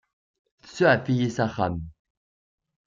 Tsuɛef-iyi s axxam.